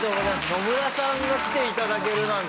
野村さんが来て頂けるなんて。